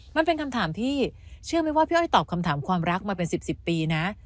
มันเป็นคำถามที่เชื่อไหมว่าพี่อ้อยตอบคำถามความรักมาเป็น๑๐ปีนะ